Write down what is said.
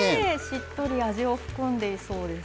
しっとり味を含んでいそうです。